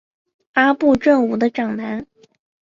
阿部正武的长男。